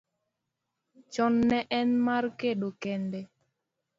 chon ne en mar kedo kende.